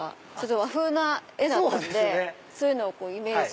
和風な絵だったのでそういうのをイメージ。